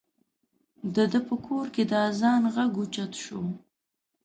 د ده په کور کې د اذان غږ اوچت شو.